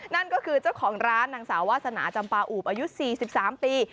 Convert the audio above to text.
นั่นก็คือเจ้าของร้านนางสาววาสนาจำปาอูบอายุ๔๓ปี